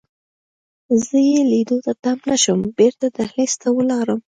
زه یې لیدو ته تم نه شوم، بیرته دهلېز ته ولاړم.